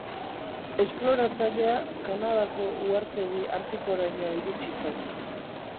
Esploratzailea Kanadako uhartedi artikoraino iritsi zen.